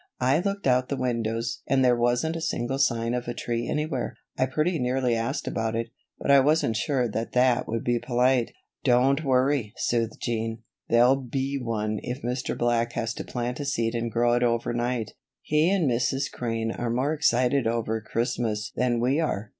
"I looked out the windows and there wasn't a single sign of a tree anywhere. I pretty nearly asked about it, but I wasn't sure that that would be polite." "Don't worry," soothed Jean. "There'll be one if Mr. Black has to plant a seed and grow it over night. He and Mrs. Crane are more excited over Christmas than we are.